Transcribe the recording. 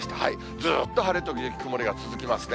ずっと晴れ時々曇りが続きますね。